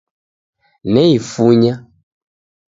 Neifunye